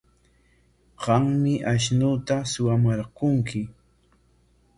Qammi ashnuuta suwamarqunki.